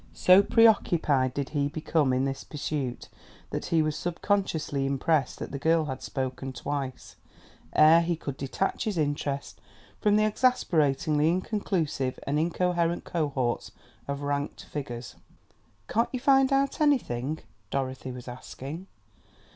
So preoccupied did he become in this pursuit that he was subconsciously impressed that the girl had spoken twice, ere he could detach his interest from the exasperatingly inconclusive and incoherent cohorts of ranked figures. "Can't you find out anything?" Dorothy was asking.